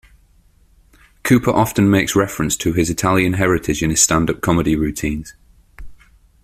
Cooper often makes reference to his Italian heritage in his stand up comedy routines.